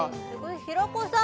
平子さん